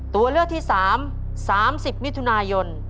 ตัวเลือกที่๓๓๐มิถุนายน